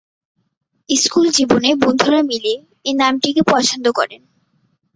School জীবনে বন্ধুরা মিলে এই নামটিকে পছন্দ করেন।